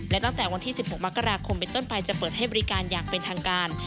และตั้งแต่วันที่๑๖มกราคมเป็นต้นไปจะเปิดให้บริการอย่างเป็นทางการ